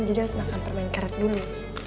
jadi harus makan permen karet dulu